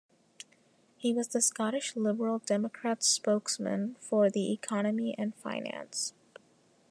He was the Scottish Liberal Democrats Spokesman for the Economy and Finance.